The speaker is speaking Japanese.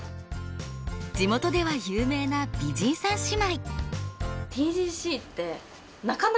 地元では有名な美人三姉妹。